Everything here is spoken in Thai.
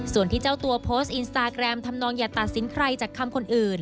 ส่วนที่เจ้าตัวโพสต์อินสตาแกรมทำนองอย่าตัดสินใครจากคำคนอื่น